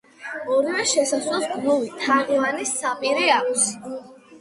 ორივე შესასვლელს გლუვი, თაღივანი საპირე აქვს.